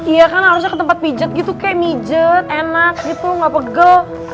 iya kan harusnya ke tempat pijat gitu kayak mijet enak gitu gak pegel